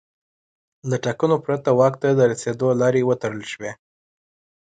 له ټاکنو پرته واک ته د رسېدو لارې وتړل شوې.